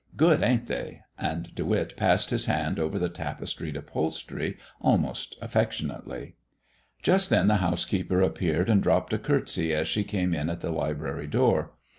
Good, ain't they?" and De Witt passed his hand over the tapestried upholstery almost affectionately. Just then the housekeeper appeared and dropped a courtesy as she came in at the library doorway.